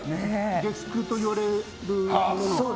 月９といわれるもので。